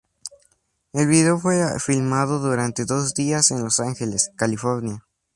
El video fue filmado durante dos días en Los Ángeles, California.